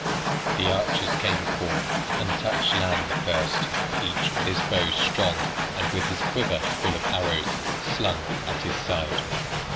The archers came forth, and touched land the first, each with his bow strong and with his quiver full of arrows, slung at his side.